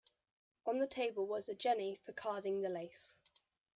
On the table was a jenny for carding the lace.